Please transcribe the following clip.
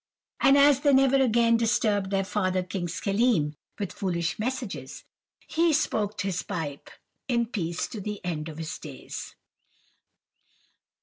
"And as they never again disturbed their father King Schelim, with foolish messages, he smoked his pipe in peace to the end of his days."